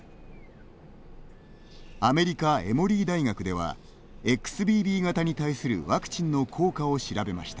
アメリカ・エモリー大学ではＸＢＢ型に対するワクチンの効果を調べました。